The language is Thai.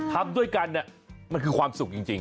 ทำด้วยกันมันคือความสุขจริง